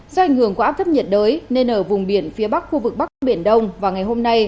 do ảnh hưởng của áp thấp nhiệt đới nên ở vùng biển phía bắc khu vực bắc biển đông vào ngày hôm nay